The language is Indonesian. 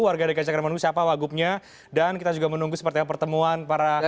warga dki cakramangu siapa wagobnya dan kita juga menunggu seperti apa pertemuan para dewa dewa